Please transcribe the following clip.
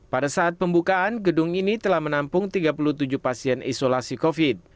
pada saat pembukaan gedung ini telah menampung tiga puluh tujuh pasien isolasi covid